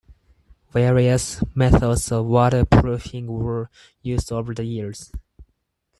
Various methods of waterproofing were used over the years.